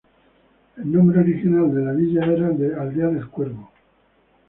El nombre original de la villa era el de Aldea del Cuervo.